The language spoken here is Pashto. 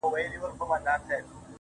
لکه اکسیجن تنفس کول